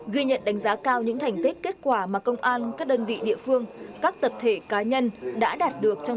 ghi nhận đánh giá cao những thành tích kết quả mà công an các đơn vị địa phương